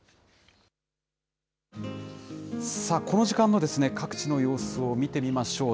この時間の各地の様子を見てみましょう。